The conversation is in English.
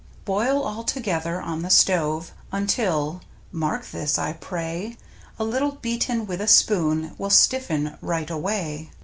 Boil all together on the stove Until — mark this, I pray — A little beaten with a spoon Will stiffen right away.